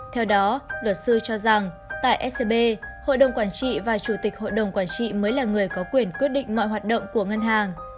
theo đó luật sư cho rằng tại scb hội đồng quản trị và chủ tịch hội đồng quản trị mới là người có quyền quyết định mọi hoạt động của ngân hàng